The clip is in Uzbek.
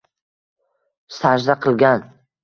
Sajda qilgan